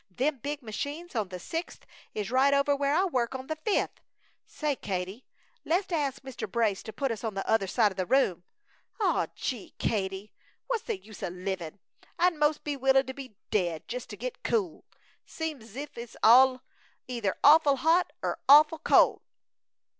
"Them big machines on the sixth is right over where I work on the fifth! Say, Katie, le's ast Mr. Brace to put us on the other side the room! Aw, gee! Katie! What's the use o' livin'? I'd 'most be willin' to be dead jest to get cool! Seems zif it's allus either awful hot er awful cold!"